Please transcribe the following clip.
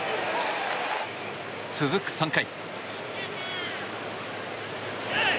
続く３回。